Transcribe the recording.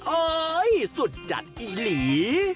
เอ้ยสุดจัดอีหลี